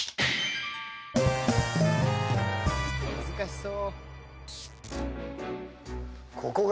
難しそう。